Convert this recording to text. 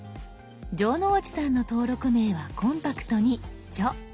城之内さんの登録名はコンパクトに「じょ」。